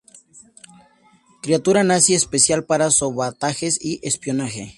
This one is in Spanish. Criatura nazi especial para sabotajes y espionaje.